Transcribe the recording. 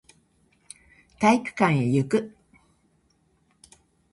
体育館へ行く